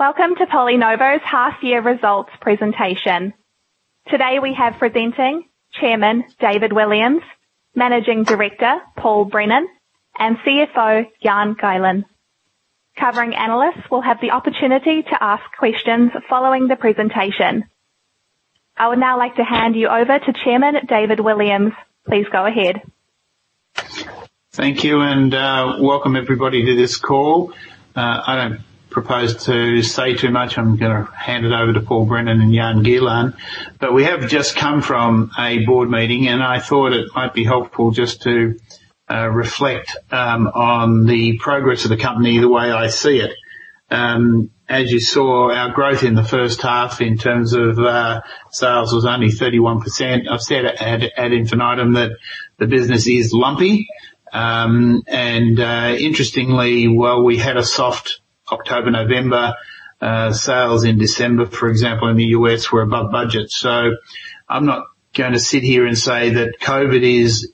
Welcome to PolyNovo's half-year results presentation. Today we have presenting, Chairman, David Williams, Managing Director, Paul Brennan, and CFO, Jan-Marcel Gielen. Covering analysts will have the opportunity to ask questions following the presentation. I would now like to hand you over to Chairman, David Williams. Please go ahead. Thank you, welcome everybody to this call. I don't propose to say too much. I'm going to hand it over to Paul Brennan and Jan-Marcel Gielen. We have just come from a board meeting, and I thought it might be helpful just to reflect on the progress of the company, the way I see it. As you saw, our growth in the first half in terms of sales was only 31%. I've said ad infinitum that the business is lumpy. Interestingly, while we had a soft October, November, sales in December, for example, in the U.S., were above budget. I'm not going to sit here and say that COVID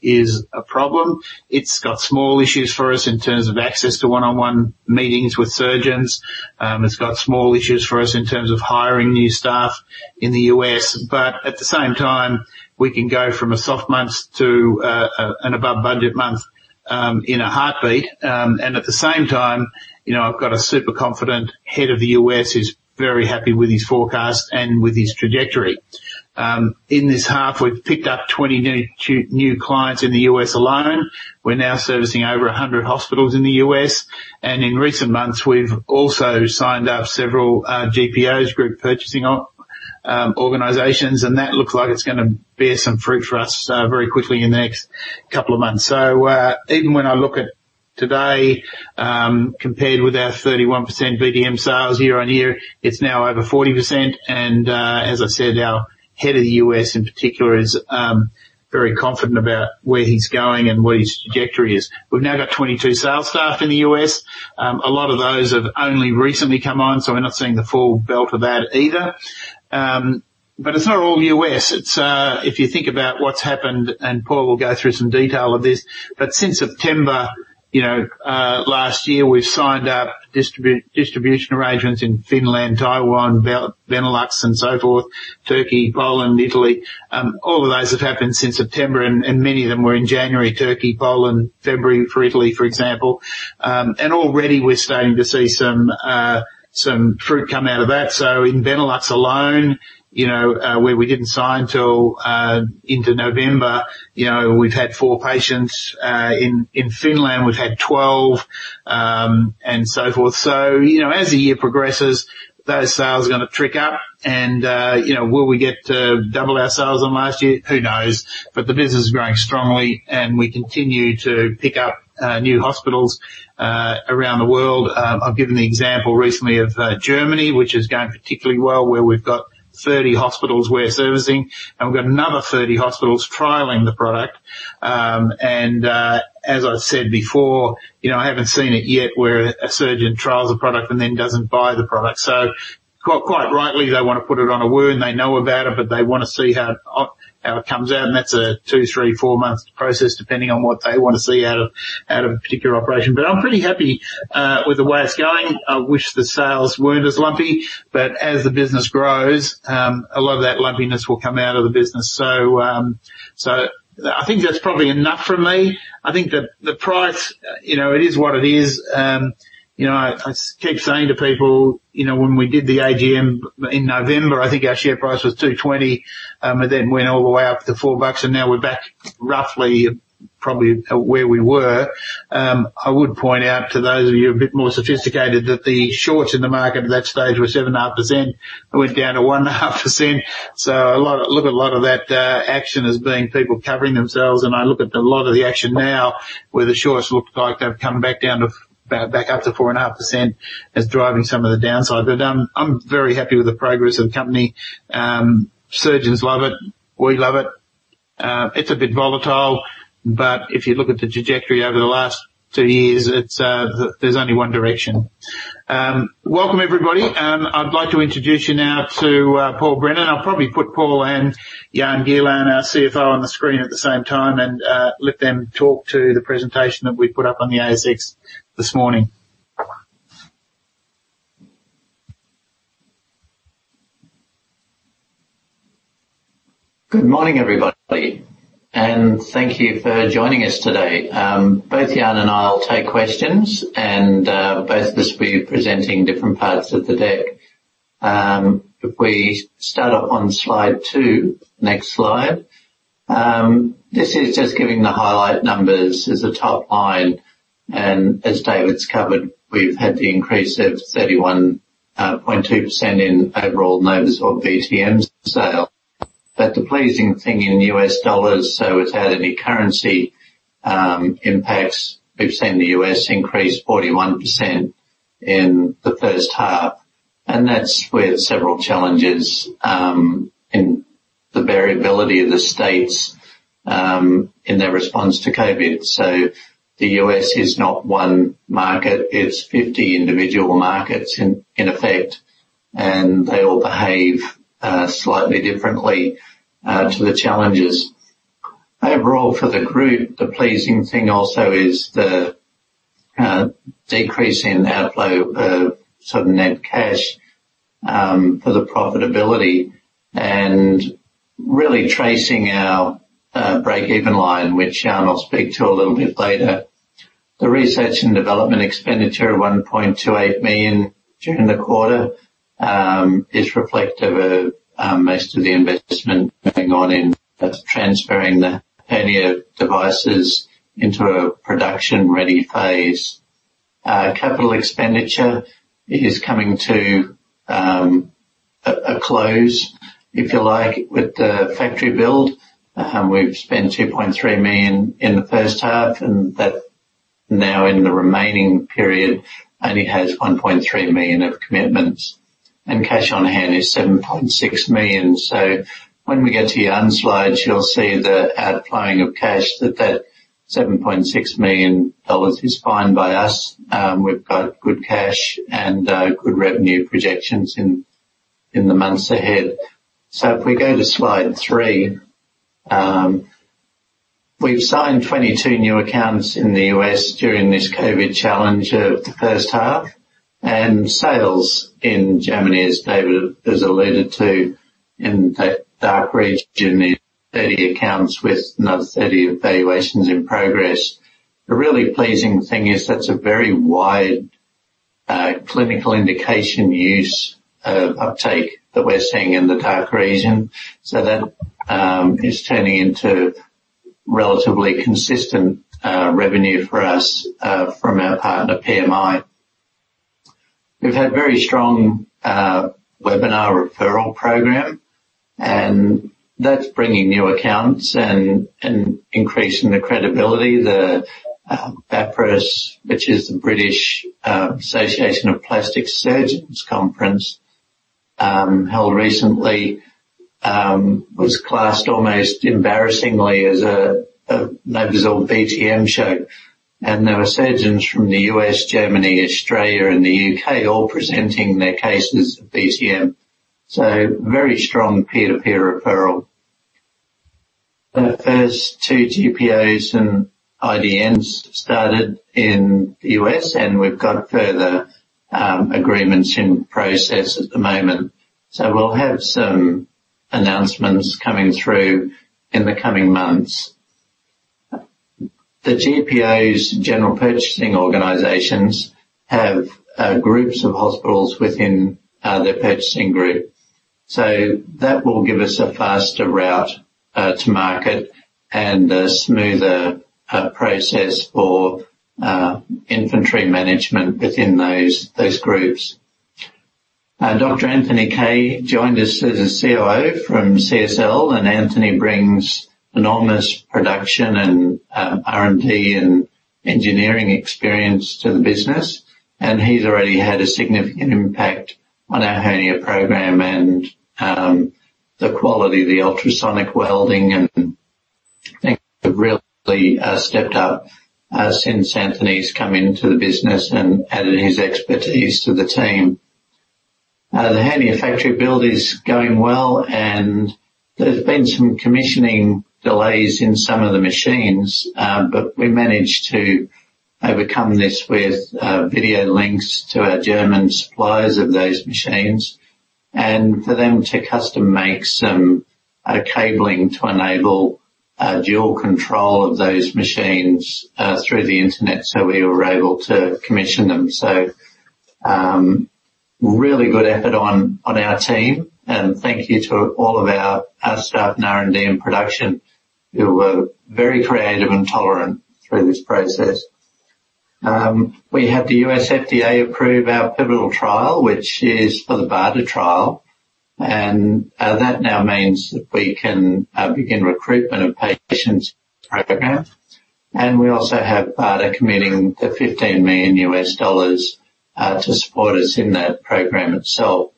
is a problem. It's got small issues for us in terms of access to one-on-one meetings with surgeons. It's got small issues for us in terms of hiring new staff in the U.S. At the same time, we can go from a soft month to an above-budget month in a heartbeat. At the same time, I've got a super confident head of the U.S. who's very happy with his forecast and with his trajectory. In this half, we've picked up 20 new clients in the U.S. alone. We're now servicing over 100 hospitals in the U.S., and in recent months, we've also signed up several GPOs, Group Purchasing Organizations, and that looks like it's going to bear some fruit for us very quickly in the next couple of months. Even when I look at today, compared with our 31% BTM sales year-on-year, it's now over 40%, and, as I said, our head of the U.S. in particular is very confident about where he's going and where his trajectory is. We've now got 22 sales staff in the U.S. A lot of those have only recently come on, so we're not seeing the full belt of that either. It's not all U.S. If you think about what's happened, and Paul will go through some detail of this, but since September last year, we've signed up distribution arrangements in Finland, Taiwan, Benelux, and so forth, Turkey, Poland, Italy. All of those have happened since September, and many of them were in January, Turkey, Poland, February for Italy, for example. Already we're starting to see some fruit come out of that. In Benelux alone, where we didn't sign till into November, we've had four patients. In Finland, we've had 12, and so forth. As the year progresses, those sales are going to trick up and will we get to double our sales on last year? Who knows? The business is growing strongly, and we continue to pick up new hospitals around the world. I've given the example recently of Germany, which is going particularly well, where we've got 30 hospitals we're servicing, and we've got another 30 hospitals trialing the product. As I said before, I haven't seen it yet where a surgeon trials a product and then doesn't buy the product. Quite rightly, they want to put it on a wound. They know about it, but they want to see how it comes out, and that's a two, three, four-month process, depending on what they want to see out of a particular operation. I'm pretty happy with the way it's going. I wish the sales weren't as lumpy, but as the business grows, a lot of that lumpiness will come out of the business. I think that's probably enough from me. I think that the price, it is what it is. I keep saying to people, when we did the AGM in November, I think our share price was 2.20, and then went all the way up to AUD four, and now we're back roughly, probably where we were. I would point out to those of you a bit more sophisticated that the shorts in the market at that stage were 7.5%, went down to 1.5%. I look at a lot of that action as being people covering themselves, and I look at a lot of the action now where the shorts look like they've come back up to 4.5% as driving some of the downside. I'm very happy with the progress of the company. Surgeons love it. We love it. It's a bit volatile, but if you look at the trajectory over the last two years, there's only one direction. Welcome, everybody. I'd like to introduce you now to Paul Brennan. I'll probably put Paul and Jan-Marcel Gielen, our CFO, on the screen at the same time and let them talk to the presentation that we put up on the ASX this morning. Good morning, everybody, and thank you for joining us today. Both Jan and I will take questions, and both of us will be presenting different parts of the deck. If we start up on slide two. Next slide. This is just giving the highlight numbers as a top line, as David's covered, we've had the increase of 31.2% in overall net BTM sale. The pleasing thing in U.S. dollars, so without any currency impacts, we've seen the U.S. increase 41% in the first half, and that's with several challenges, in the variability of the states, in their response to COVID. The U.S. is not one market, it's 50 individual markets in effect, and they all behave slightly differently to the challenges. Overall for the group, the pleasing thing also is the decrease in outflow of net cash for the profitability, and really tracing our break-even line, which I'll speak to a little bit later. The research and development expenditure, 1.28 million during the quarter, is reflective of most of the investment going on in transferring the hernia devices into a production-ready phase. Capital expenditure is coming to a close, if you like, with the factory build. We've spent 2.3 million in the first half, and that now in the remaining period only has 1.3 million of commitments. Cash on hand is 7.6 million. When we get to the end slides, you'll see the out-flowing of cash, that 7.6 million dollars is fine by us. We've got good cash and good revenue projections in the months ahead. If we go to slide three. We've signed 22 new accounts in the U.S. during this COVID challenge of the first half, and sales in Germany, as David has alluded to, in that DACH region, the 30 accounts with another 30 evaluations in progress. The really pleasing thing is that's a very wide clinical indication use of uptake that we're seeing in the DACH region. That is turning into relatively consistent revenue for us from our partner, PMI. We've had very strong webinar referral program, and that's bringing new accounts and increasing the credibility. The BAPRAS, which is the British Association of Plastic Surgeons conference, held recently, was classed almost embarrassingly as a Medizoll BTM show. There were surgeons from the U.S., Germany, Australia, and the U.K. all presenting their cases of BTM. Very strong peer-to-peer referral. The first two GPOs and IDNs started in the U.S., and we've got further agreements in process at the moment. We'll have some announcements coming through in the coming months. The GPOs, Group Purchasing Organizations, have groups of hospitals within their purchasing group. That will give us a faster route to market and a smoother process for inventory management within those groups. Dr. Anthony Kaye joined us as a COO from CSL, and Anthony brings enormous production in R&D and engineering experience to the business, and he's already had a significant impact on our hernia program and the quality of the ultrasonic welding, and things have really stepped up since Anthony's come into the business and added his expertise to the team. The hernia factory build is going well, and there's been some commissioning delays in some of the machines. We managed to overcome this with video links to our German suppliers of those machines, and for them to custom-make some cabling to enable dual control of those machines through the internet so we were able to commission them. Really good effort on our team, and thank you to all of our staff in R&D and production who were very creative and tolerant through this process. We had the U.S. FDA approve our pivotal trial, which is for the BARDA trial, and that now means that we can begin recruitment of patients program. We also have BARDA committing the $15 million to support us in that program itself.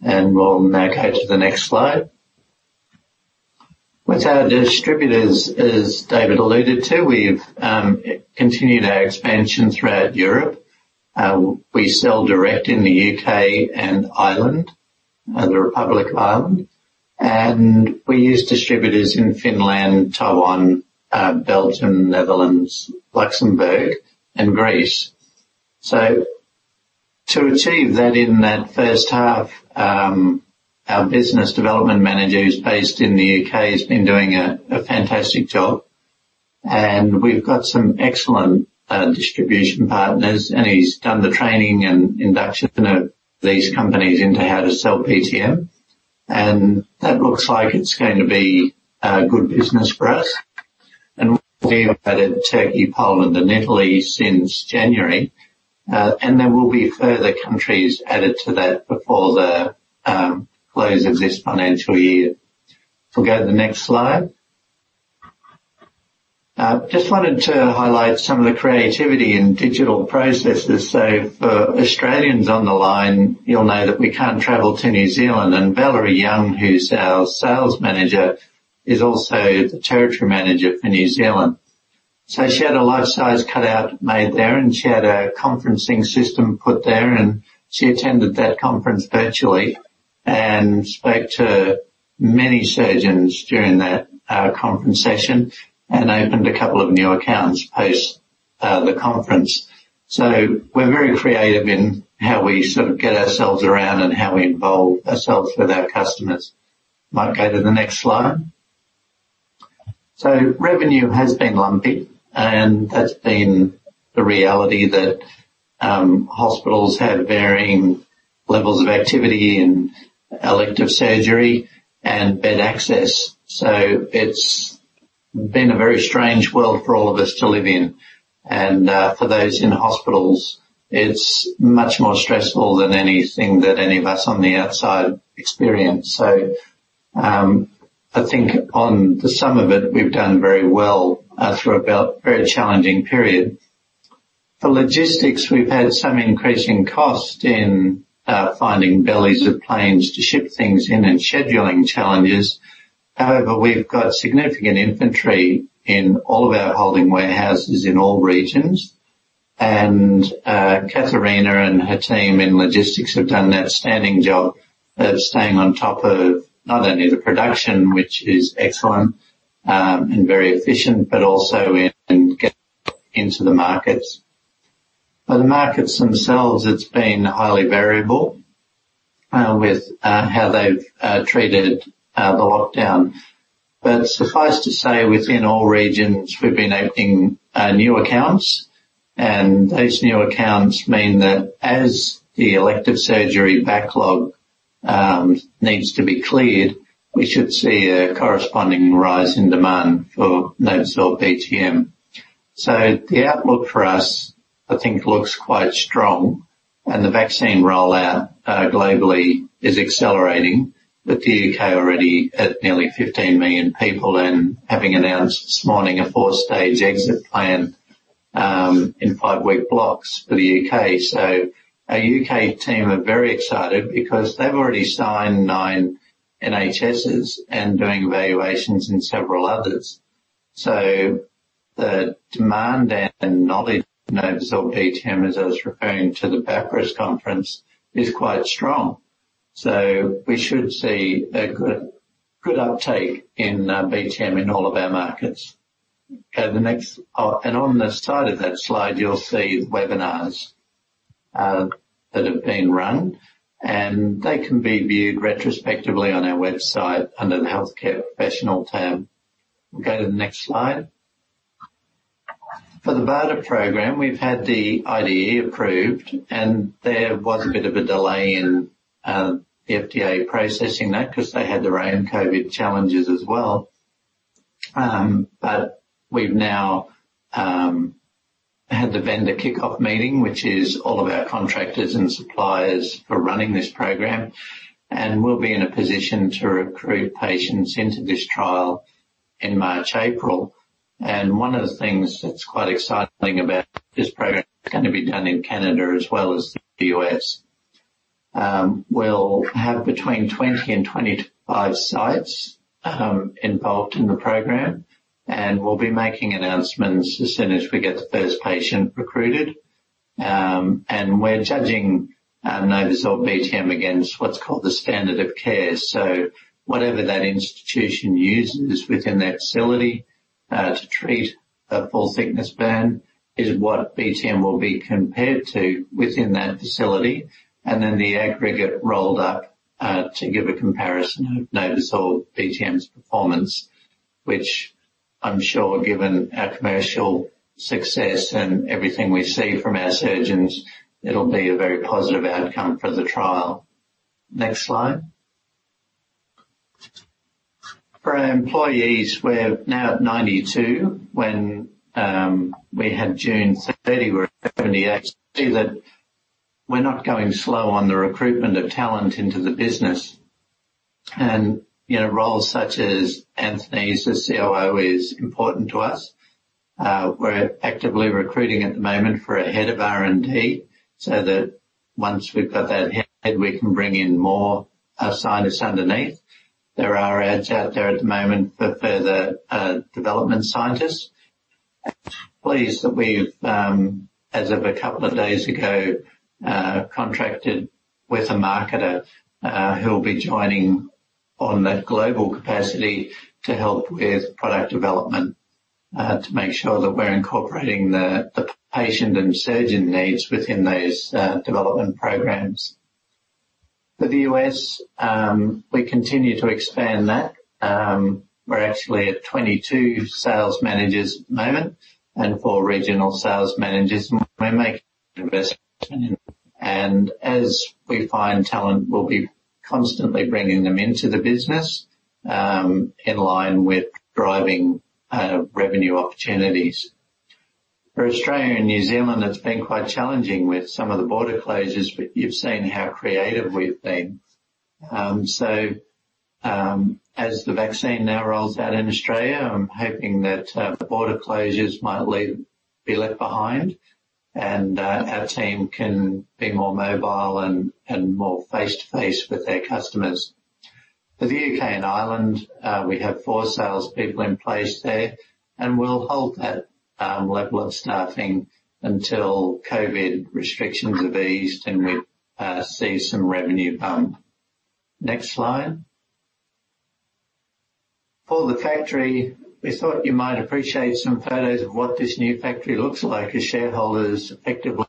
We'll now go to the next slide. With our distributors, as David alluded to, we've continued our expansion throughout Europe. We sell direct in the U.K. and Ireland, the Republic of Ireland, and we use distributors in Finland, Taiwan, Belgium, Netherlands, Luxembourg and Greece. To achieve that in that first half, our business development manager, who's based in the U.K., has been doing a fantastic job. We've got some excellent distribution partners, and he's done the training and induction of these companies into how to sell BTM. That looks like it's going to be good business for us. We've added Turkey, Poland, and Italy since January. There will be further countries added to that before the close of this financial year. If we go to the next slide. Just wanted to highlight some of the creativity in digital processes. For Australians on the line, you'll know that we can't travel to New Zealand, and Valerie Young, who's our sales manager, is also the territory manager for New Zealand. She had a life-size cutout made there, and she had a conferencing system put there, and she attended that conference virtually and spoke to many surgeons during that conference session and opened a couple of new accounts post the conference. We're very creative in how we sort of get ourselves around and how we involve ourselves with our customers. Might go to the next slide. Revenue has been lumpy, and that's been the reality that hospitals have varying levels of activity in elective surgery and bed access. It's been a very strange world for all of us to live in. For those in hospitals, it's much more stressful than anything that any of us on the outside experience. I think on the sum of it, we've done very well through a very challenging period. For logistics, we've had some increasing cost in finding bellies of planes to ship things in and scheduling challenges. However, we've got significant inventory in all of our holding warehouses in all regions. Katharina and her team in logistics have done an outstanding job of staying on top of not only the production, which is excellent and very efficient, but also in getting into the markets. For the markets themselves, it's been highly variable, with how they've treated the lockdown. Suffice to say, within all regions, we've been opening new accounts. Those new accounts mean that as the elective surgery backlog needs to be cleared, we should see a corresponding rise in demand for NovoSorb BTM. The outlook for us, I think, looks quite strong, and the vaccine rollout globally is accelerating, with the U.K. already at nearly 15 million people and having announced this morning a four-stage exit plan, in five-week blocks for the U.K. Our U.K. team are very excited because they've already signed nine NHSs and doing evaluations in several others. The demand and knowledge of NovoSorb BTM, as I was referring to the BAPRAS conference, is quite strong. We should see a good uptake in BTM in all of our markets. On the side of that slide, you'll see webinars that have been run, and they can be viewed retrospectively on our website under the healthcare professional tab. We'll go to the next slide. For the BARDA program, we've had the IDE approved, and there was a bit of a delay in the FDA processing that because they had their own COVID challenges as well. We've now had the vendor kickoff meeting, which is all of our contractors and suppliers for running this program, and we'll be in a position to recruit patients into this trial in March, April. One of the things that's quite exciting about this program, it's gonna be done in Canada as well as the U.S. We'll have between 20 and 25 sites involved in the program. We'll be making announcements as soon as we get the first patient recruited. We're judging NovoSorb BTM against what's called the standard of care. Whatever that institution uses within that facility to treat a full thickness burn is what BTM will be compared to within that facility, and then the aggregate rolled up, to give a comparison of NovoSorb BTM's performance, which I'm sure, given our commercial success and everything we see from our surgeons, it'll be a very positive outcome for the trial. Next slide. For our employees, we're now at 92. When we had June 30th, we were at 78. You can see that we're not going slow on the recruitment of talent into the business. Roles such as Anthony's as COO is important to us. We're actively recruiting at the moment for a head of R&D, so that once we've got that head, we can bring in more scientists underneath. There are ads out there at the moment for further development scientists. Pleased that we've, as of a couple of days ago, contracted with a marketer, who'll be joining on that global capacity to help with product development, to make sure that we're incorporating the patient and surgeon needs within those development programs. For the U.S., we continue to expand that. We're actually at 22 sales managers at the moment and four regional sales managers, and we're making investments. As we find talent, we'll be constantly bringing them into the business, in line with driving revenue opportunities. For Australia and New Zealand, it's been quite challenging with some of the border closures, but you've seen how creative we've been. As the vaccine now rolls out in Australia, I'm hoping that the border closures might be left behind and our team can be more mobile and more face-to-face with their customers. For the U.K. and Ireland, we have four salespeople in place there, and we'll hold that level of staffing until COVID restrictions are eased and we see some revenue bump. Next slide. For the factory, we thought you might appreciate some photos of what this new factory looks like as shareholders effectively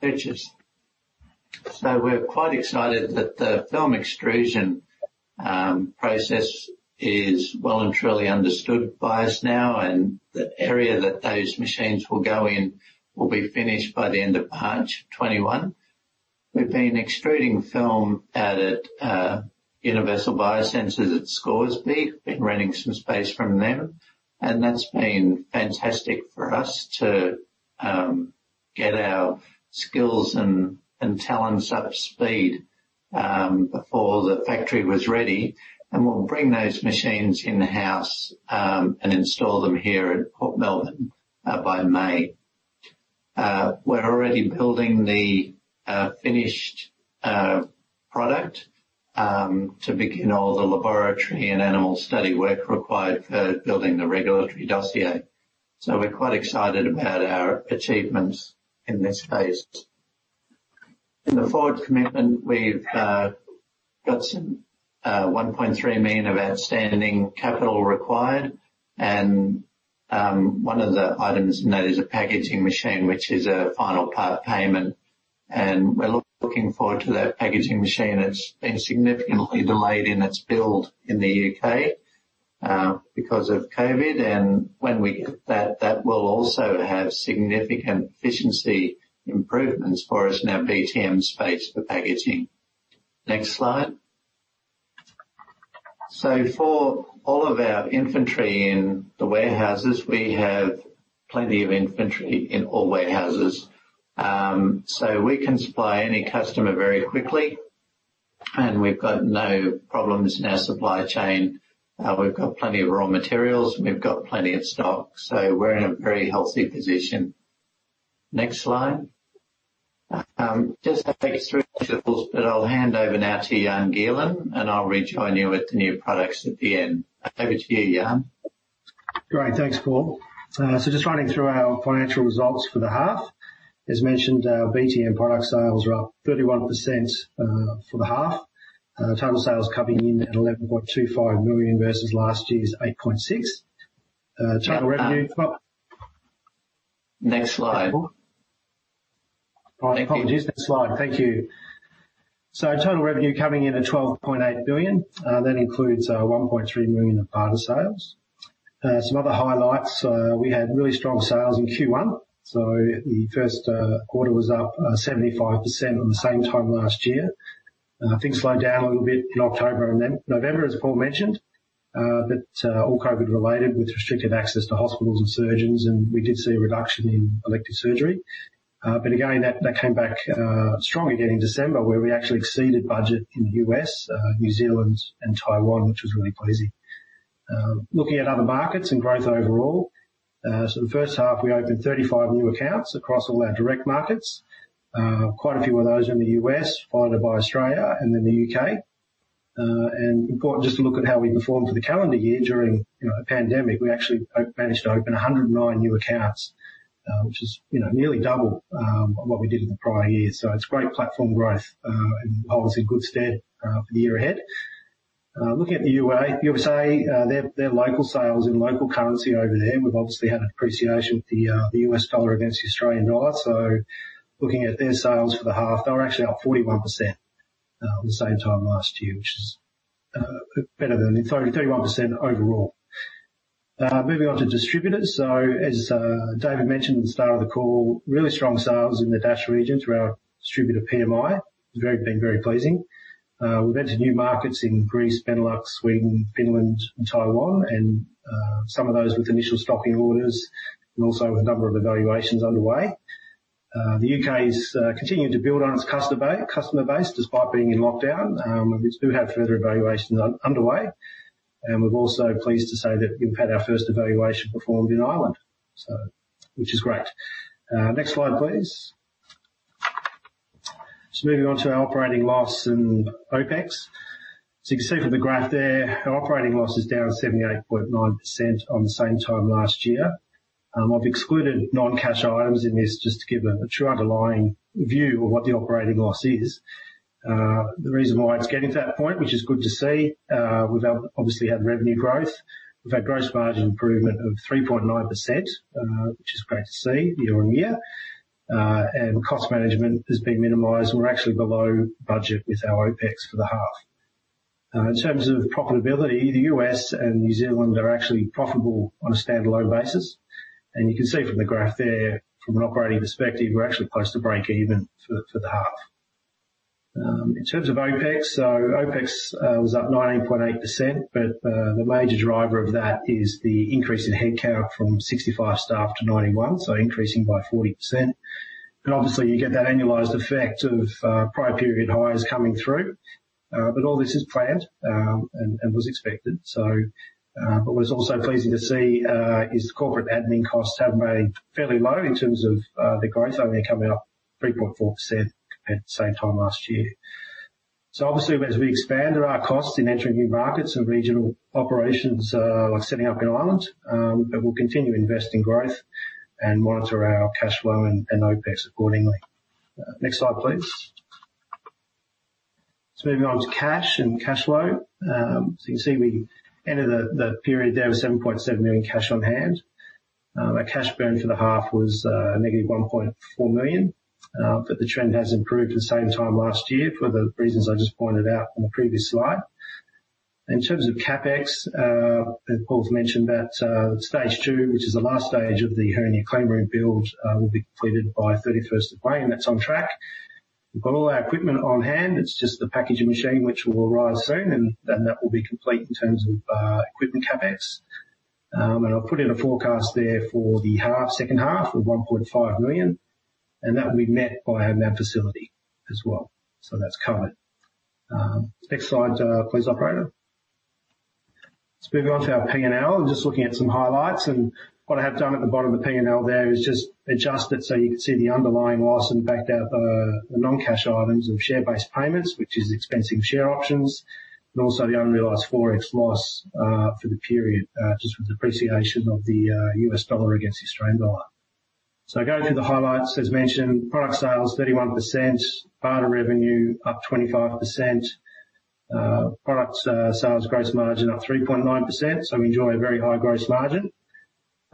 purchase. We're quite excited that the film extrusion process is well and truly understood by us now, and the area that those machines will go in will be finished by the end of March 2021. We've been extruding film out at Universal Biosensors at Scoresby. We've been renting some space from them, and that's been fantastic for us to get our skills and talents up to speed before the factory was ready, and we'll bring those machines in-house, and install them here at Port Melbourne by May. We're already building the finished product, to begin all the laboratory and animal study work required for building the regulatory dossier. We're quite excited about our achievements in this phase. In the forward commitment, we've got some, 1.3 million of outstanding capital required and one of the items in that is a packaging machine, which is a final part payment. We're looking forward to that packaging machine. It's been significantly delayed in its build in the U.K., because of COVID. When we get that will also have significant efficiency improvements for us in our BTM space for packaging. Next slide. For all of our inventory in the warehouses, we have plenty of inventory in all warehouses. We can supply any customer very quickly, and we've got no problems in our supply chain. We've got plenty of raw materials. We've got plenty of stock. We're in a very healthy position. Next slide. Just take us through, but I'll hand over now to Jan Gielen, and I'll rejoin you with the new products at the end. Over to you, Jan. Great. Thanks, Paul. Just running through our financial results for the half. As mentioned, our BTM product sales are up 31% for the half. Total sales coming in at 11.25 million versus last year's 8.6 million. Next slide. My apologies. Next slide. Thank you. Total revenue coming in at 12.8 million. That includes 1.3 million of barter sales. Some other highlights, we had really strong sales in Q1. The Q1 was up 75% on the same time last year. Things slowed down a little bit in October and then November, as Paul mentioned, but all COVID related with restricted access to hospitals and surgeons, and we did see a reduction in elective surgery. Again, that came back strongly again in December where we actually exceeded budget in the U.S., New Zealand, and Taiwan, which was really pleasing. Looking at other markets and growth overall. The first half, we opened 35 new accounts across all our direct markets. Quite a few of those in the U.S., followed by Australia and then the U.K. Important just to look at how we performed for the calendar year during a pandemic. We actually managed to open 109 new accounts, which is nearly double, what we did in the prior year. It's great platform growth, and holds in good stead for the year ahead. Looking at the USA, their local sales in local currency over there, we've obviously had an appreciation of the U.S. dollar against the Australian dollar. Looking at their sales for the half, they were actually up 41% on the same time last year, which is better than the 31% overall. Moving on to distributors. As David mentioned at the start of the call, really strong sales in the DACH region through our distributor, PMI, has been very pleasing. We went to new markets in Greece, Benelux, Sweden, Finland, and Taiwan, some of those with initial stocking orders and also a number of evaluations underway. The U.K. is continuing to build on its customer base despite being in lockdown, which do have further evaluations underway. We're also pleased to say that we've had our first evaluation performed in Ireland, which is great. Next slide, please. Moving on to our operating loss and OpEx. You can see from the graph there, our operating loss is down 78.9% on the same time last year. I've excluded non-cash items in this just to give a true underlying view of what the operating loss is. The reason why it's getting to that point, which is good to see, we've obviously had revenue growth. We've had gross margin improvement of 3.9%, which is great to see year-on-year. Cost management has been minimized, and we're actually below budget with our OpEx for the half. In terms of profitability, the U.S. and New Zealand are actually profitable on a standalone basis. You can see from the graph there from an operating perspective, we're actually close to breakeven for the half. In terms of OpEx was up 19.8%, but the major driver of that is the increase in headcount from 65 staff to 91, increasing by 40%. Obviously you get that annualized effect of prior period highs coming through. All this is planned, and was expected. What's also pleasing to see, is corporate admin costs have remained fairly low in terms of the growth only coming up 3.4% at the same time last year. Obviously, as we expand, there are costs in entering new markets and regional operations like setting up in Ireland, but we'll continue to invest in growth and monitor our cash flow and OPEX accordingly. Next slide, please. Moving on to cash and cash flow. You can see we ended the period there with 7.7 million cash on hand. Our cash burn for the half was negative 1.4 million. The trend has improved the same time last year for the reasons I just pointed out on the previous slide. In terms of CapEx, as Paul's mentioned that stage two, which is the last stage of the hernia clean room build, will be completed by May 31st. That's on track. We've got all our equipment on hand. It's just the packaging machine which will arrive soon. Then that will be complete in terms of equipment CapEx. I've put in a forecast there for the second half of 1.5 million. That will be met by having that facility as well. That's covered. Next slide, please, operator. Let's move on to our P&L. I'm just looking at some highlights. What I have done at the bottom of the P&L there is just adjust it so you can see the underlying loss and backed out the non-cash items of share-based payments, which is expensive share options. Also the unrealized Forex loss for the period, just with depreciation of the US dollar against the Australian dollar. Going through the highlights, as mentioned, product sales 31%, BARDA revenue up 25%, product sales, gross margin up 3.9%, so we enjoy a very high gross margin.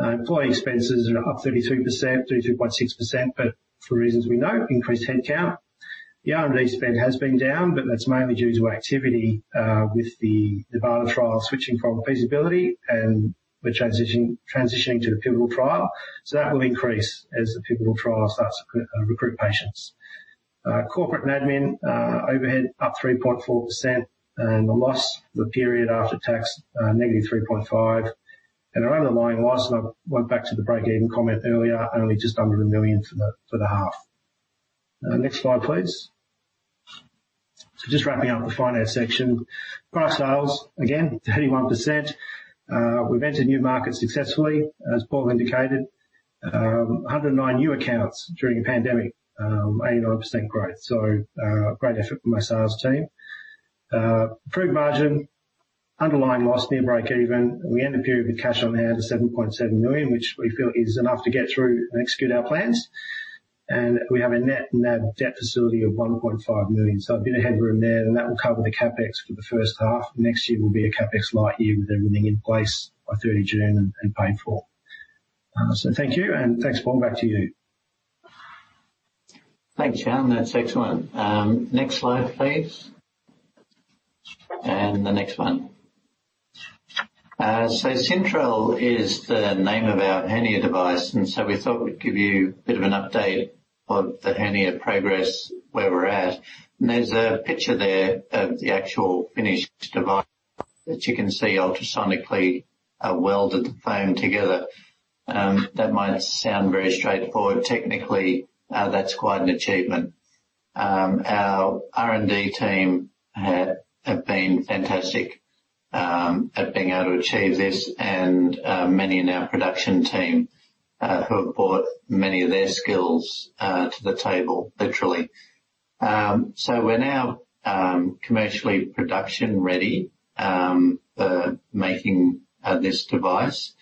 Employee expenses are up 33%, 32.6%, but for reasons we know, increased headcount. The R&D spend has been down, but that's mainly due to activity, with the BARDA trial switching from feasibility, and we're transitioning to the pivotal trial. That will increase as the pivotal trial starts to recruit patients. Corporate and admin overhead up 3.4%, and the loss for the period after tax, negative 3.5. Our underlying loss, and I went back to the break-even comment earlier, only just under 1 million for the half. Next slide, please. Just wrapping up the finance section. Product sales, again, 31%. We've entered new markets successfully, as Paul indicated. 109 new accounts during a pandemic, 89% growth. Great effort from my sales team. Improved margin, underlying loss near break-even. We end the period with cash on hand of 7.7 million, which we feel is enough to get through and execute our plans. We have a net NAB debt facility of 1.5 million. A bit of headroom there, and that will cover the CapEx for the first half. Next year will be a CapEx light year with everything in place by 30 June and paid for. Thank you, and thanks, Paul. Back to you. Thanks, Jan. That's excellent. Next slide, please. The next one. Syntrel is the name of our hernia device, we thought we'd give you a bit of an update on the hernia progress, where we're at. There's a picture there of the actual finished device that you can see ultrasonically welded the foam together. That might sound very straightforward. Technically, that's quite an achievement. Our R&D team have been fantastic at being able to achieve this and many in our production team, who have brought many of their skills to the table, literally. We're now commercially production-ready for making this device.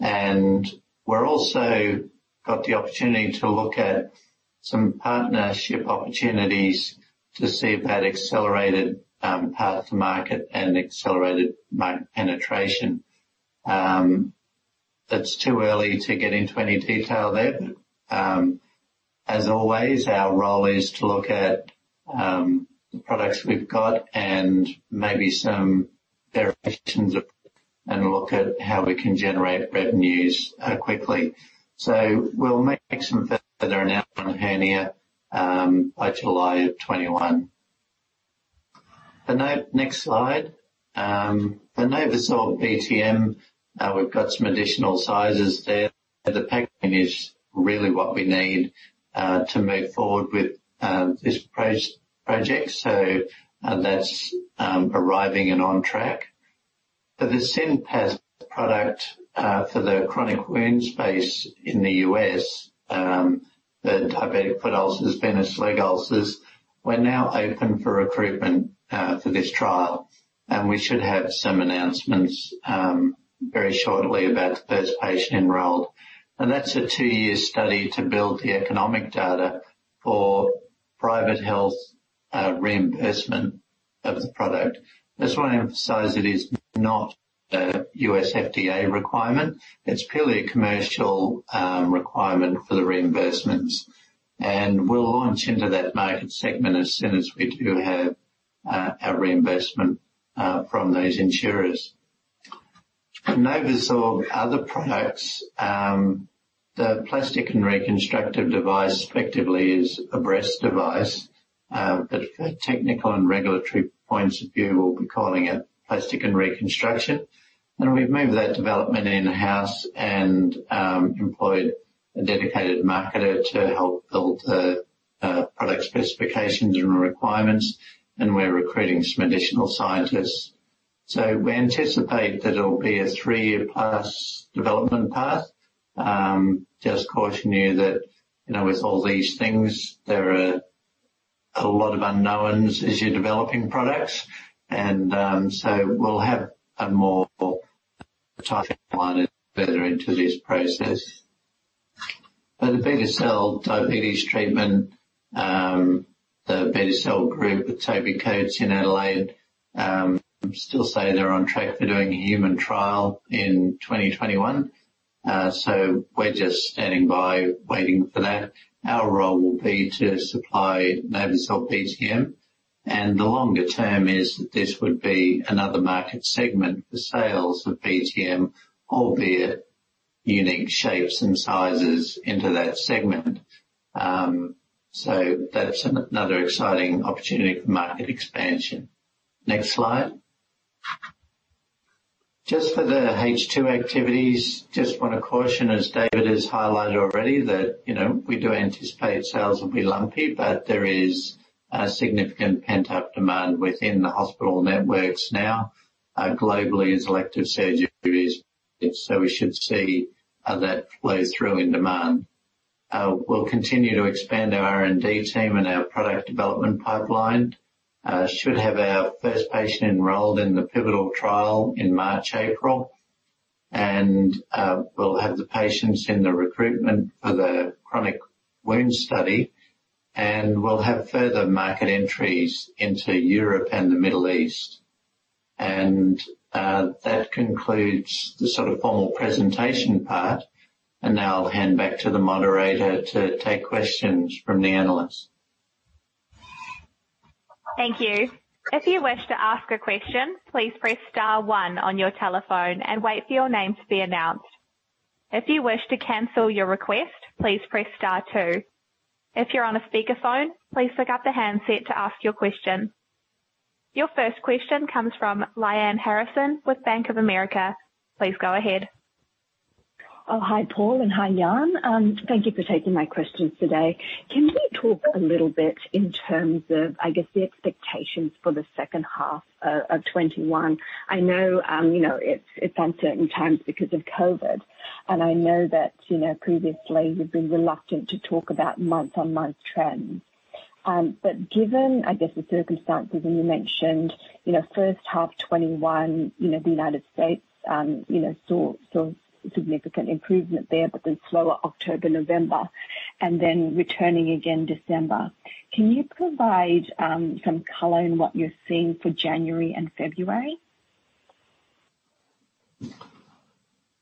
We're also got the opportunity to look at some partnership opportunities to see if that accelerated path to market and accelerated market penetration. It's too early to get into any detail there. As always, our role is to look at the products we've got and maybe some variations, and look at how we can generate revenues quickly. We'll make some further announcement on hernia, by July of 2021. The next slide. The NovoSorb BTM, we've got some additional sizes there. The packaging is really what we need to move forward with this project. That's arriving and on track. For the Synpass product, for the chronic wound space in the U.S., the diabetic foot ulcers, venous leg ulcers, we're now open for recruitment for this trial, and we should have some announcements very shortly about the first patient enrolled. That's a two-year study to build the economic data for private health reimbursement of the product. Just want to emphasize, it is not a U.S. FDA requirement. It's purely a commercial requirement for the reimbursements. We'll launch into that market segment as soon as we do have our reimbursement from those insurers. NovoSorb, other products, the plastic and reconstructive device effectively is a breast device. For technical and regulatory points of view, we'll be calling it plastic and reconstruction. We've moved that development in-house and employed a dedicated marketer to help build the product specifications and requirements, and we're recruiting some additional scientists. We anticipate that it'll be a three-year plus development path. Just caution you that, with all these things, there are a lot of unknowns as you're developing products. We'll have a more further into this process. The Beta Cell diabetes treatment, the Beta Cell group with Toby Coates in Adelaide, still say they're on track for doing a human trial in 2021. We're just standing by waiting for that. Our role will be to supply NovoSorb BTM, and the longer term is that this would be another market segment for sales of BTM, albeit unique shapes and sizes into that segment. That's another exciting opportunity for market expansion. Next slide. For the H2 activities, want to caution, as David has highlighted already, that we do anticipate sales will be lumpy, but there is a significant pent-up demand within the hospital networks now, globally as elective surgery is, we should see that play through in demand. We'll continue to expand our R&D team and our product development pipeline. Should have our first patient enrolled in the pivotal trial in March, April. We'll have the patients in the recruitment for the chronic wound study, and we'll have further market entries into Europe and the Middle East. That concludes the sort of formal presentation part. Now I will hand back to the moderator to take questions from the analysts. Thank you. If you wish to ask a question, please press star one on your telephone and wait for your name to be announced. If you wish to cancel your request, please press star two. If you're on a speakerphone, please pick up the handset to ask your question. Your first question comes from Lyanne Harrison with Bank of America. Please go ahead. Oh, hi, Paul, and hi, Jan. Thank you for taking my questions today. Can we talk a little bit in terms of, I guess, the expectations for the second half of 2021? I know, it's uncertain times because of COVID, and I know that previously you've been reluctant to talk about month-on-month trends. Given, I guess, the circumstances when you mentioned, first half 2021, the U.S., saw significant improvement there, then slower October, November, and then returning again December. Can you provide some color on what you're seeing for January and February?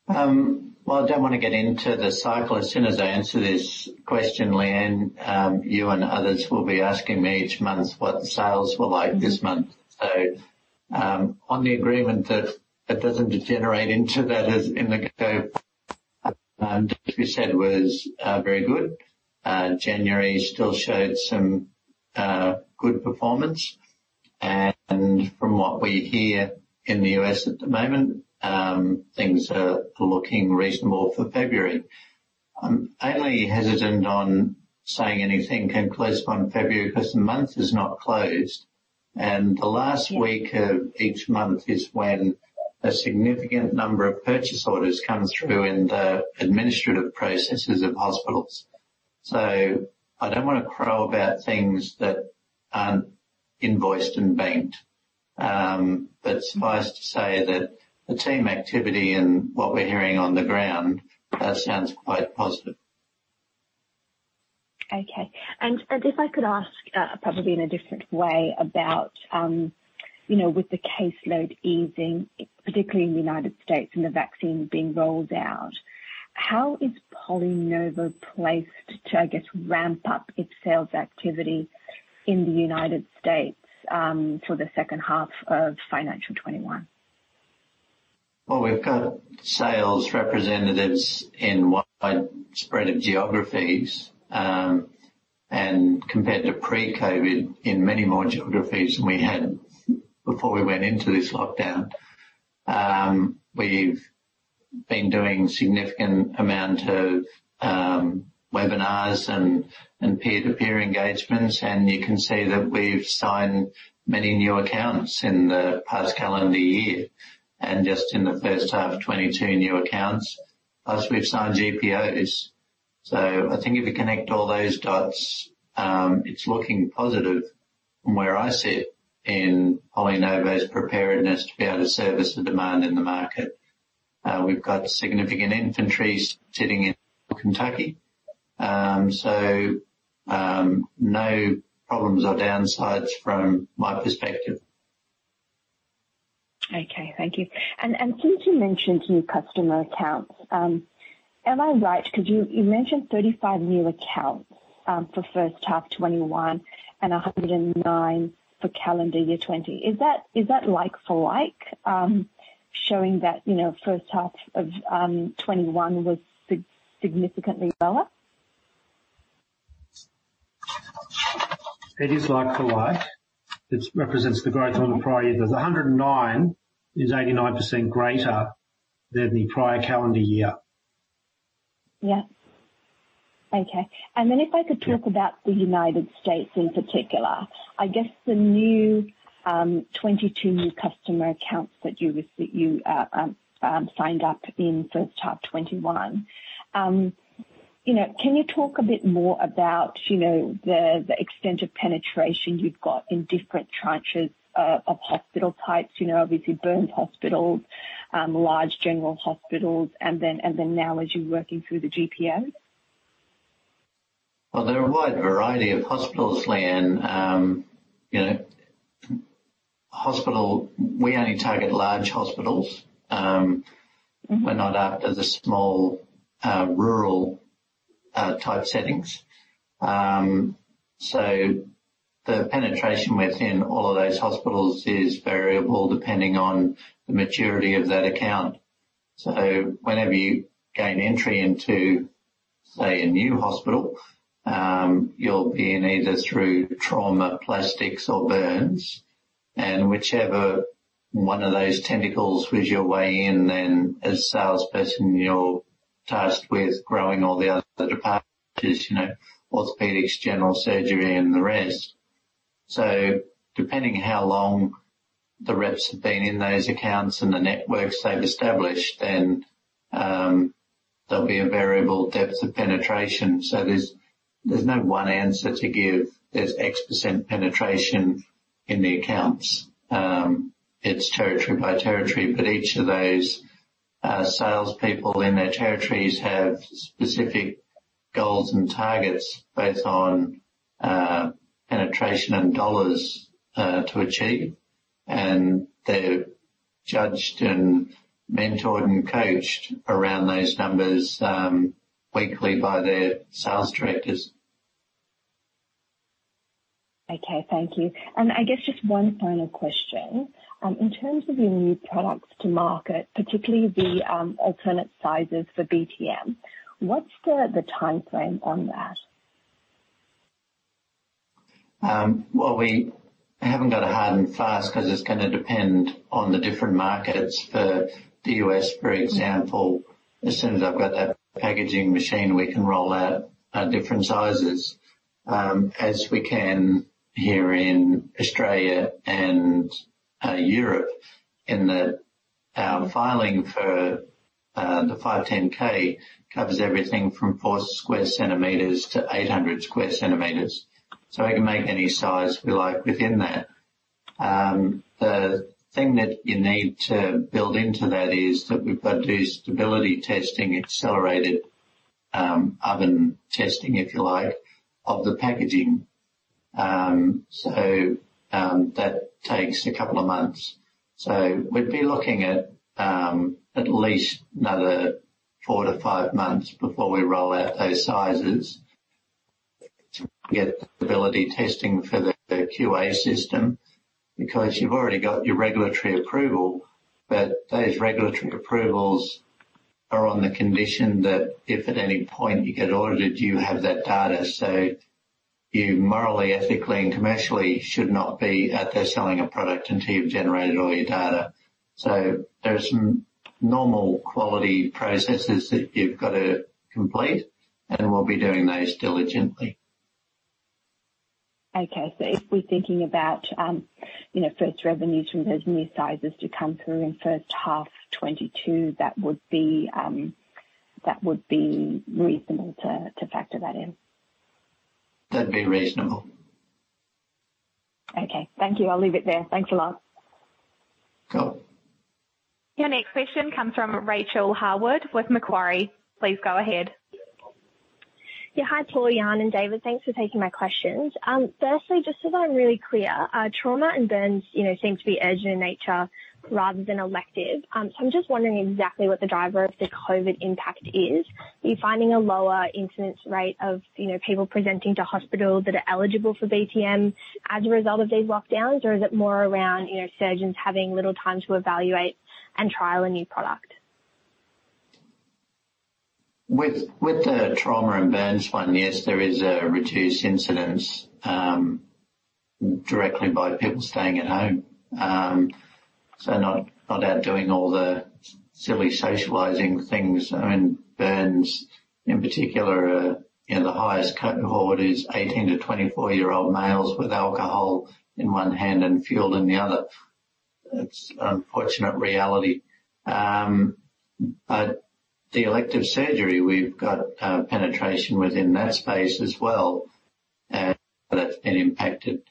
Well, I don't want to get into the cycle. As soon as I answer this question, Lyanne, you and others will be asking me each month what the sales were like this month. On the agreement that it doesn't degenerate into that as in the go, you said was very good. January still showed some good performance. From what we hear in the U.S. at the moment, things are looking reasonable for February. I'm only hesitant on saying anything in close on February because the month is not closed. Yeah of each month is when a significant number of purchase orders come through in the administrative processes of hospitals. I don't want to crow about things that aren't invoiced and banked. Suffice to say that the team activity and what we're hearing on the ground sounds quite positive. Okay. If I could ask, probably in a different way about, with the caseload easing, particularly in the United States and the vaccine being rolled out, how is PolyNovo placed to, I guess, ramp up its sales activity in the United States, for the second half of financial 2021? Well, we've got sales representatives in widespread geographies, and compared to pre-COVID, in many more geographies than we had before we went into this lockdown. We've been doing significant amount of webinars and peer-to-peer engagements, and you can see that we've signed many new accounts in the past calendar year. Just in the first half, 22 new accounts. Plus we've signed GPOs. I think if you connect all those dots, it's looking positive from where I sit in PolyNovo's preparedness to be able to service the demand in the market. We've got significant inventories sitting in Kentucky. No problems or downsides from my perspective. Okay. Thank you. Since you mentioned new customer accounts, am I right because you mentioned 35 new accounts, for first half 2021 and 109 for calendar year 2020. Is that like for like, showing that, first half of 2021 was significantly lower? It is like for like. It represents the growth on the prior year. The 109 is 89% greater than the prior calendar year. Yeah. Okay. If I could talk about the U.S. in particular, I guess the new 22 new customer accounts that you signed up in first half 2021. Can you talk a bit more about the extent of penetration you've got in different tranches of hospital types? Obviously burn hospitals, large general hospitals, and then now as you're working through the GPOs? Well, there are a wide variety of hospitals, Lyanne. We only target large hospitals. We're not after the small, rural type settings. The penetration within all of those hospitals is variable depending on the maturity of that account. Whenever you gain entry into, say, a new hospital, you'll be in either through trauma, plastics, or burns, and whichever one of those tentacles was your way in, as a salesperson, you're tasked with growing all the other departments, orthopedics, general surgery, and the rest. Depending how long the reps have been in those accounts and the networks they've established, there'll be a variable depth of penetration. There's no one answer to give. There's X% penetration in the accounts. It's territory by territory, each of those salespeople in their territories have specific goals and targets based on penetration and dollars to achieve, and they're judged and mentored and coached around those numbers weekly by their sales directors. Okay, thank you. I guess just one final question. In terms of your new products to market, particularly the alternate sizes for BTM, what's the timeframe on that? Well, we haven't got a hard and fast because it's gonna depend on the different markets. For the U.S., for example, as soon as I've got that packaging machine, we can roll out different sizes, as we can here in Australia and Europe. In the filing for the 510(k) covers everything from four square centimeters to 800 square centimeters. We can make any size we like within that. The thing that you need to build into that is that we've got to do stability testing, accelerated oven testing, if you like, of the packaging. That takes a couple of months. We'd be looking at at least another four - five months before we roll out those sizes to get stability testing for the QA system, because you've already got your regulatory approval, but those regulatory approvals are on the condition that if at any point you get audited, you have that data. You morally, ethically, and commercially should not be out there selling a product until you've generated all your data. There's some normal quality processes that you've got to complete, and we'll be doing those diligently. Okay, if we're thinking about first revenue from those new sizes to come through in first half 2022, that would be reasonable to factor that in? That'd be reasonable. Okay. Thank you. I'll leave it there. Thanks a lot. Cool. Your next question comes from Rachael Harwood with Macquarie. Please go ahead. Yeah. Hi, Paul, Jan, and David. Thanks for taking my questions. Just so that I'm really clear, trauma and burns seem to be urgent in nature rather than elective. I'm just wondering exactly what the driver of the COVID impact is. Are you finding a lower incidence rate of people presenting to hospitals that are eligible for BTM as a result of these lockdowns, or is it more around surgeons having little time to evaluate and trial a new product? With the trauma and burns one, yes, there is a reduced incidence directly by people staying at home. Not out doing all the silly socializing things. I mean, burns in particular, the highest cohort is 18 - 24-year-old males with alcohol in one hand and fuel in the other. It's an unfortunate reality. The elective surgery, we've got penetration within that space as well, and that's been impacted.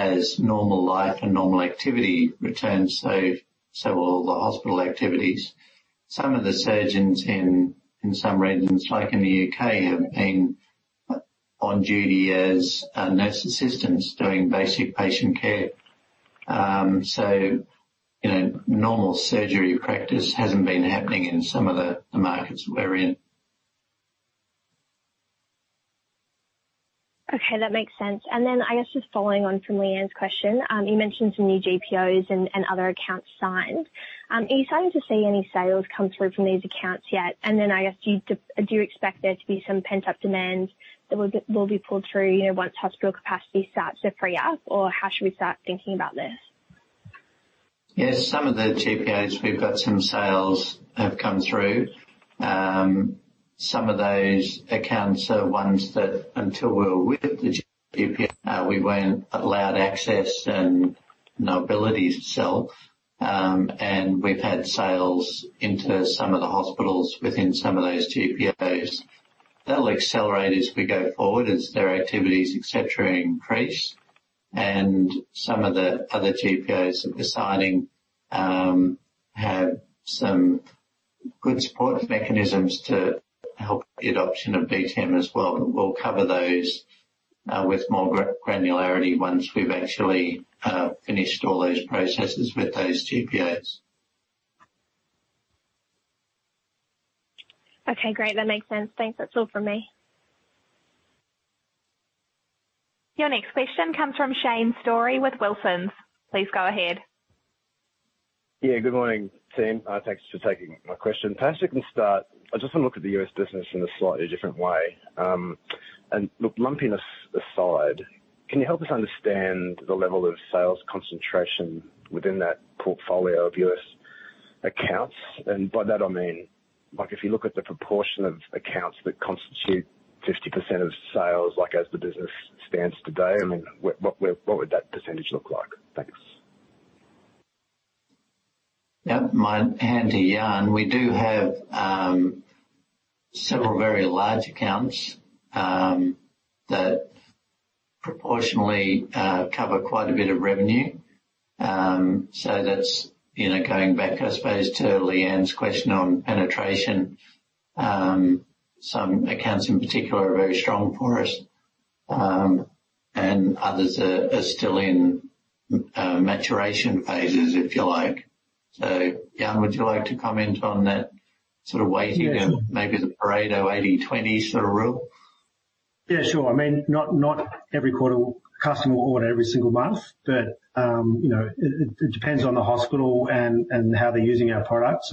As normal life and normal activity returns, so will the hospital activities. Some of the surgeons in some regions, like in the U.K., have been on duty as nurse assistants doing basic patient care. Normal surgery practice hasn't been happening in some of the markets that we're in. Okay, that makes sense. I guess just following on from Lyanne's question, you mentioned some new GPOs and other accounts signed. Are you starting to see any sales come through from these accounts yet? I guess, do you expect there to be some pent-up demand that will be pulled through once hospital capacity starts to free up? How should we start thinking about this? Yes, some of the GPOs we've got some sales have come through. Some of those accounts are ones that until we were with the GPO, we weren't allowed access and no visibility itself. We've had sales into some of the hospitals within some of those GPOs. That'll accelerate as we go forward, as their activities, et cetera, increase. Some of the other GPOs that we're signing have some good support mechanisms to help the adoption of BTM as well. We'll cover those with more granularity once we've actually finished all those processes with those GPOs. Okay, great. That makes sense. Thanks. That's all from me. Your next question comes from Shane Storey with Wilsons. Please go ahead. Yeah, good morning, team. Thanks for taking my question. Perhaps we can start, I just want to look at the U.S. business in a slightly different way. Look, lumpiness aside, can you help us understand the level of sales concentration within that portfolio of U.S. accounts? By that I mean, if you look at the proportion of accounts that constitute 50% of sales, as the business stands today, what would that percentage look like? Thanks. Yeah. My hand to Jan. We do have several very large accounts that proportionally cover quite a bit of revenue. That's going back, I suppose, to Leanne's question on penetration. Some accounts in particular are very strong for us, and others are still in maturation phases, if you like. Jan, would you like to comment on that sort of weighting? Yeah, sure. Maybe the Pareto 80/20 sort of rule? Sure. Not every quarter customer will order every single month, it depends on the hospital and how they're using our product.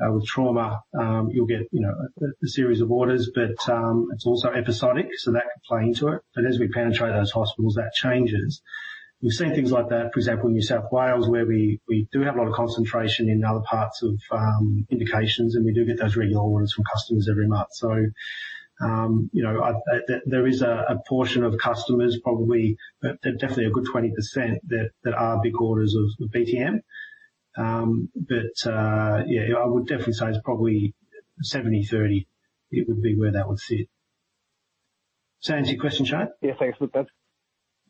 With trauma, you'll get a series of orders, it's also episodic, that could play into it. As we penetrate those hospitals, that changes. We've seen things like that, for example, in New South Wales, where we do have a lot of concentration in other parts of indications, we do get those reorders from customers every month. There is a portion of customers, probably, they're definitely a good 20% that are big orders of BTM. Yeah, I would definitely say it's probably 70/30, it would be where that would sit. Does that answer your question, Shane?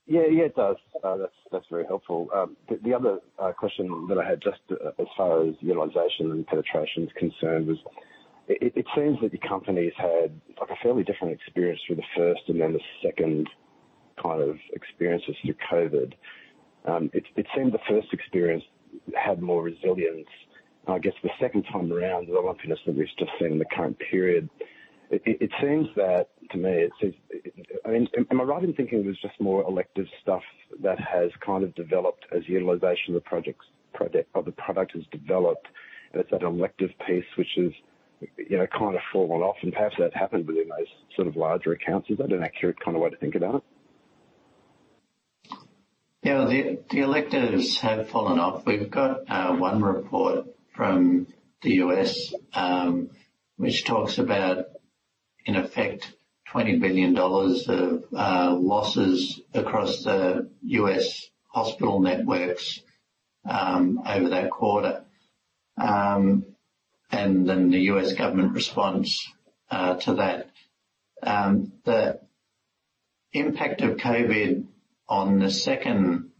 Yeah, thanks. Yeah, it does. That's very helpful. The other question that I had, just as far as utilization and penetration is concerned, was it seems that the company's had a fairly different experience through the first and then the second kind of experiences through COVID. It seemed the first experience had more resilience. I guess the second time around, the lumpiness that we've just seen in the current period, am I right in thinking it was just more elective stuff that has kind of developed as utilization of the product has developed? It's that elective piece which has kind of fallen off, and perhaps that happened within those sort of larger accounts. Is that an accurate kind of way to think about it? Yeah, the electives have fallen off. We've got one report from the U.S., which talks about, in effect, $20 billion of losses across the U.S. hospital networks, over that quarter. The U.S. government response to that. The impact of COVID on the second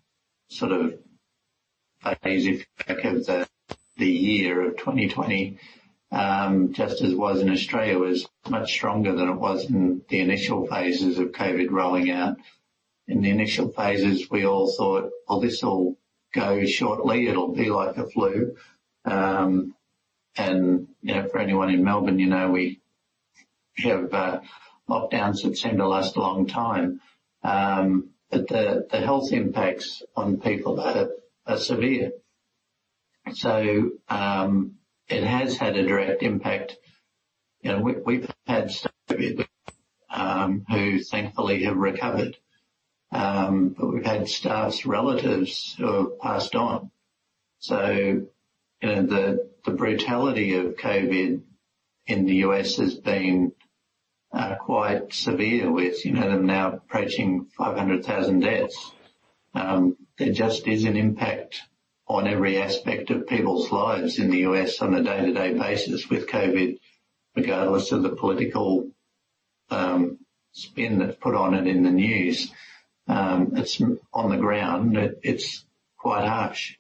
sort of phase, if you like, of the year of 2020, just as was in Australia, was much stronger than it was in the initial phases of COVID rolling out. In the initial phases, we all thought, "Well, this'll go shortly. It'll be like a flu." For anyone in Melbourne, you know we have lockdowns that tend to last a long time. The health impacts on people are severe. It has had a direct impact. We've had staff who thankfully have recovered, but we've had staff's relatives who have passed on. The brutality of COVID in the U.S. has been quite severe with them now approaching 500,000 deaths. There just is an impact on every aspect of people's lives in the U.S. on a day-to-day basis with COVID, regardless of the political spin that's put on it in the news. On the ground, it's quite harsh.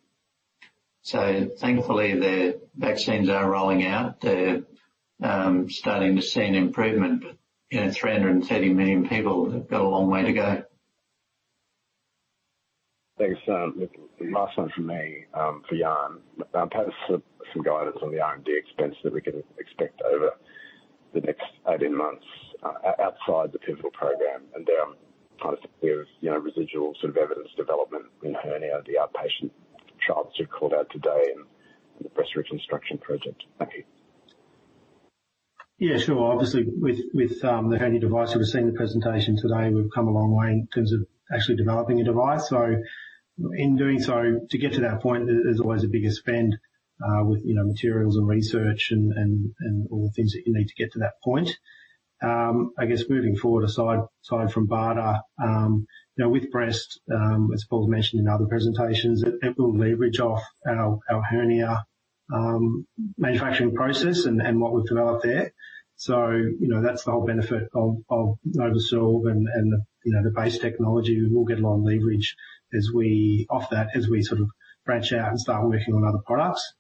Thankfully, the vaccines are rolling out. They're starting to see an improvement. 330 million people have got a long way to go. Thanks. Look, the last one from me, for Jan. Perhaps some guidance on the R&D expense that we can expect over the next 18 months outside the pivotal program and then kind of some clear residual sort of evidence development in hernia, the outpatient trials you called out today and the breast reconstruction project. Thank you. Yeah, sure. Obviously, with the hernia device, you would've seen the presentation today, we've come a long way in terms of actually developing a device. In doing so, to get to that point, there's always a bigger spend, with materials and research and all the things that you need to get to that point. I guess moving forward, aside from BARDA, with breast, as Paul mentioned in other presentations, it will leverage off our hernia manufacturing process and what we've developed there. That's the whole benefit of NovoSorb and the base technology. We'll get a lot of leverage off that as we branch out and start working on other products.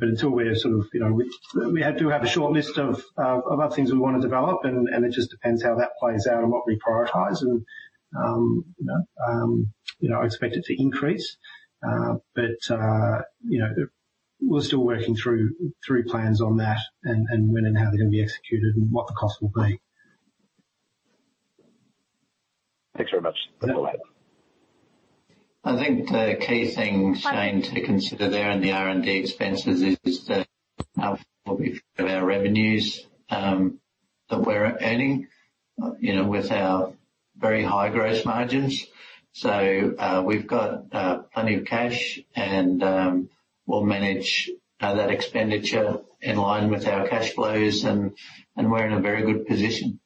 We do have a short list of other things we want to develop, and it just depends how that plays out and what we prioritize and I expect it to increase. We're still working through plans on that and when and how they're going to be executed and what the cost will be. Thanks very much. I think the key thing, Shane, to consider there in the R&D expenses is that our revenues that we're earning, with our very high gross margins. We've got plenty of cash, and we'll manage that expenditure in line with our cash flows, and we're in a very good position.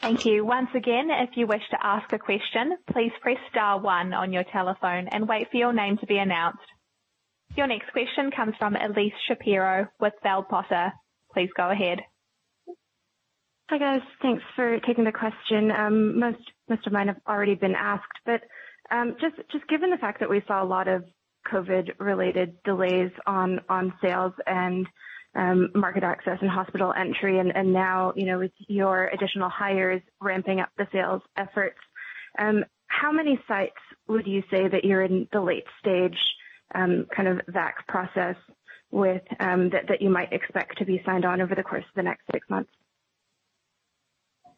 Thank you. Once again, if you wish to ask a question, please press star one on your telephone and wait for your name to be announced. Your next question comes from Elyse Shapiro with Bell Potter. Please go ahead. Hi, guys. Thanks for taking the question. Most of mine have already been asked, but just given the fact that we saw a lot of COVID-related delays on sales and market access and hospital entry, and now, with your additional hires ramping up the sales efforts, how many sites would you say that you're in the late stage, kind of eval process that you might expect to be signed on over the course of the next six months?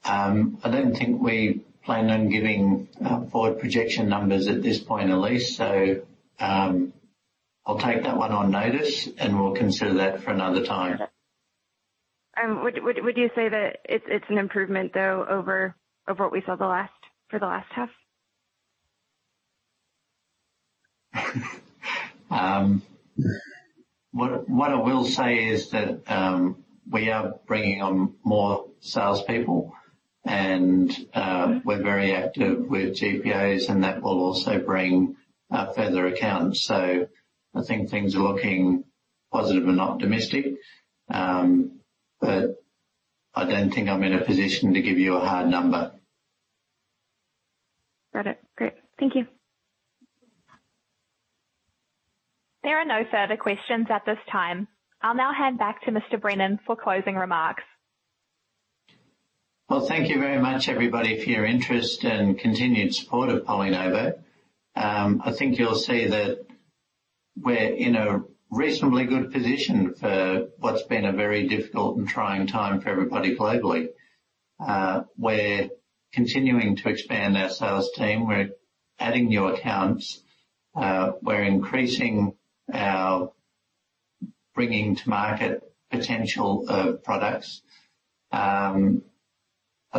I don't think we plan on giving forward projection numbers at this point, Elyse, so I'll take that one on notice, and we'll consider that for another time. Would you say that it's an improvement, though, over what we saw for the last half? What I will say is that, we are bringing on more salespeople, and we're very active with GPOs, and that will also bring further accounts. I think things are looking positive and optimistic. I don't think I'm in a position to give you a hard number. Got it. Great. Thank you. There are no further questions at this time. I'll now hand back to Mr. Brennan for closing remarks. Well, thank you very much, everybody, for your interest and continued support of PolyNovo. I think you'll see that we're in a reasonably good position for what's been a very difficult and trying time for everybody globally. We're continuing to expand our sales team. We're adding new accounts. We're increasing our bringing to market potential products. I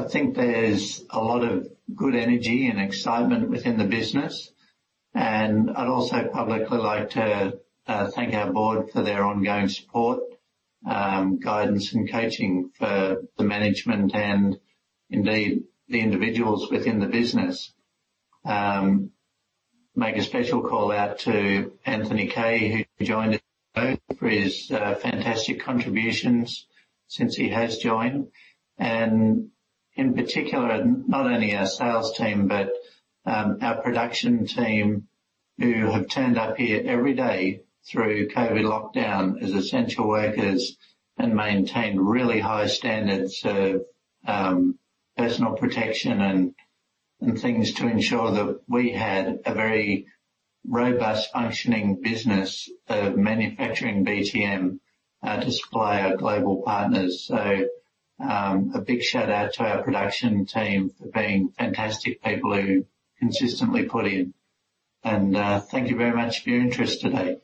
think there's a lot of good energy and excitement within the business, and I'd also publicly like to thank our board for their ongoing support, guidance, and coaching for the management and indeed the individuals within the business. Make a special call-out to Anthony Kaye, who joined us, for his fantastic contributions since he has joined, and in particular, not only our sales team, but our production team, who have turned up here every day through COVID lockdown as essential workers and maintained really high standards of personal protection and things to ensure that we had a very robust, functioning business of manufacturing BTM to supply our global partners. A big shout-out to our production team for being fantastic people who consistently put in. Thank you very much for your interest today.